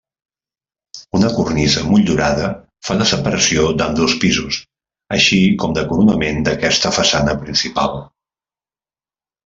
Una cornisa motllurada fa de separació d'ambdós pisos, així com de coronament d'aquesta façana principal.